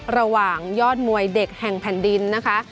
ยอดมวยเด็กแห่งแผ่นดินนะคะ